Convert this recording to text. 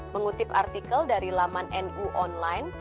mengutip artikel dari laman nu online